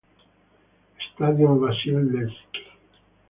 Stadion Vasil Levski